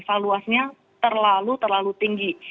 valuasinya terlalu terlalu tinggi